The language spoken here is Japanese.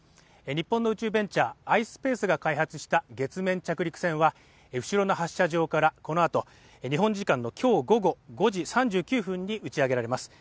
日本の宇宙ベンチャーｉｓｐａｃｅが開発した月面着陸船は後ろの発射場からこのあと日本時間のきょう午後５時３９分に打ち上げられます